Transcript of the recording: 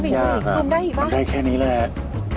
ไม่ยากน่ะมันได้แค่นี้แหละ